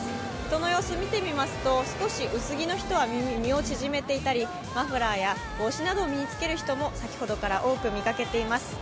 人の様子を見てみますと、薄着の人は身を縮めていたり、マフラーや帽子などを身に付ける人も今朝から見えています。